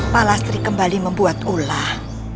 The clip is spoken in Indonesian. palastri kembali membuat ulah